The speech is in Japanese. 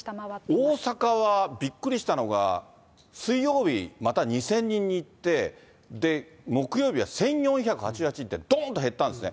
大阪は、びっくりしたのは、水曜日、また２０００人に行って、木曜日は１４８８って、どーんと減ったんですね。